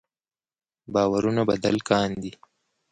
باورونه بدل کاندي.